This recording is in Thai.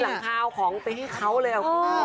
หลังคาเอาของไปให้เขาเลย